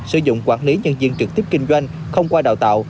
sử dụng quản lý nhân viên trực tiếp kinh doanh không qua đào tạo